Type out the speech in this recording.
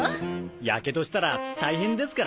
やけどしたら大変ですから。